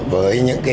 với những cái